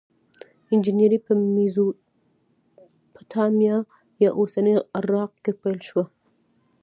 انجنیری په میزوپتامیا یا اوسني عراق کې پیل شوه.